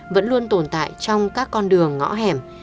vẫn luôn tồn tại trong các con đường ngõ hẻm